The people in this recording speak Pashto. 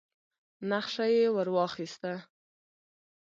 نخشه يې ور واخيسه.